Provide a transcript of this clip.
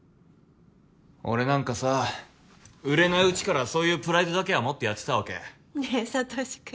俺なんかさ売れないうちからそういうプライドだけは持ってやってたわけねえサトシくん